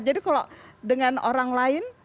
jadi kalau dengan orang lain